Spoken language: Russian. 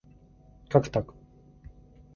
Как так?